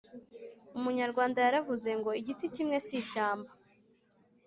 umunyarwanda yaravuze ngo : “igiti kimwe si ishyamba”